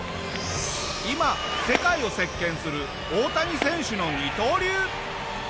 今世界を席巻する大谷選手の二刀流。